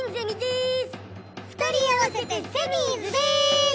２人合わせてセミーズでーす！